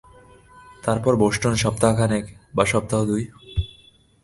তারপরে বোষ্টনে সপ্তাহখানেক বা সপ্তাহ দুই।